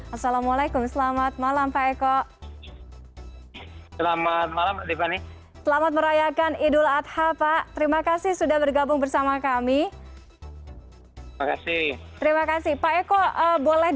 assalamualaikum selamat malam pak eko